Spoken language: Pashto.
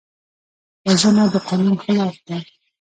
وژنه د قانون خلاف ده